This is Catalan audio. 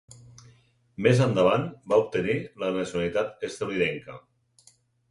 Més endavant va obtenir la nacionalitat estatunidenca.